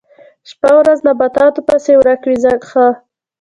شپه او ورځ نباتاتو پسې ورک وي ښه.